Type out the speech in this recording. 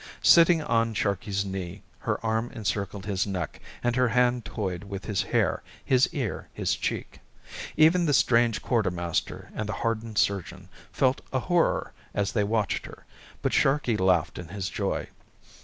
Sitting on Sharkey's knee, her arm encircled his neck, and her hand toyed with his hair, his ear, his cheek. Even the strange quartermaster and the hardened surgeon felt a horror as they watched her, but Sharkey laughed in his joy.